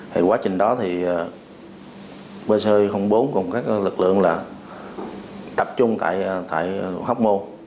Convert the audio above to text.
thì quá trình đó thì pc bốn cùng các lực lượng là tập trung tại hóc môn